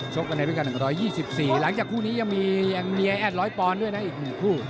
ชกกันไปกัน๑๒๔หลังจากคู่นี้ยังมีแม่แอด๑๐๐ปอนด์ด้วยนะอีกกี่คู่